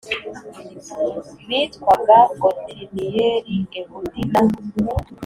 bitwaga Otiniyeli Ehudi na